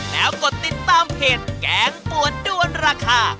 แล้วกดติดตามเพจแกงปวดด้วนราคา